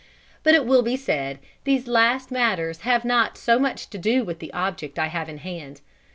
But, it will be said, these last matters have not much to do with the object I have in hand.